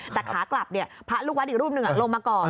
แต่ขากลับพระลูกวัดอีกรูปหนึ่งลงมาก่อน